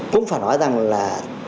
cũng phải nói rằng là